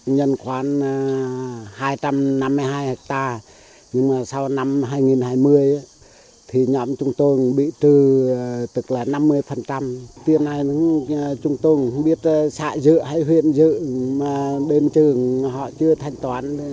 năm hai nghìn hai mươi nhóm chúng tôi vẫn tiếp tục nhận khoán